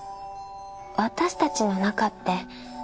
私たちの仲って？